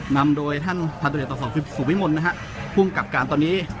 นำโดยท่านพันธุเรียนต่อส่วนสูงสู่วิมวลนะครับพุ่งกลับการตอนนี้